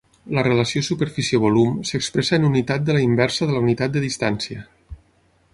La relació superfície-volum s'expressa en unitat de la inversa de la unitat de distància.